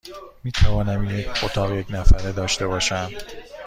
می توانم یک اتاق یک نفره داشته باشم؟